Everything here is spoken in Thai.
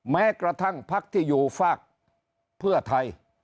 แม้กระทั่งพักที่อยู่ฝากเพื่อไทย